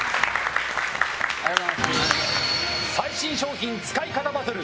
最新商品使い方バトル！